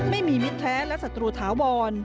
ไม่มีมิดแท้และสัตรูท้าวอน